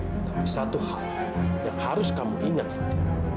tapi satu hal yang harus kamu ingat satu